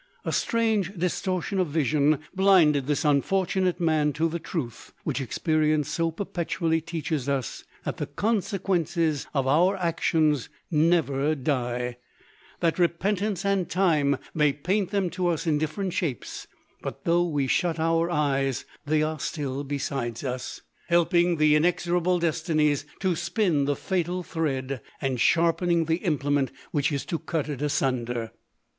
A strange distortion of vision blinded this unfor tunate man to the truth, which experience so perpetually teaches us, that the consequences of our actions never die: that repentance and time may paint them to us in different shapes ; but though we shut our eyes, they are still beside LODORK. 251 us, helping the inexorable destinies to spin the fatal thread, and sharpening the implement which is to cut it asunder.